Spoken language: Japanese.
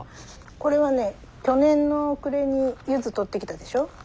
これはね去年の暮れにユズ採ってきたでしょ？